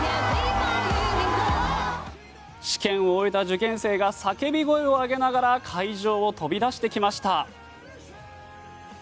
試験を終えた受験生が叫び声をあげながら会場を飛び出してきました。